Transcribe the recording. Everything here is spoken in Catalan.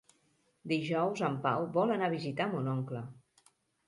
Dijous en Pau vol anar a visitar mon oncle.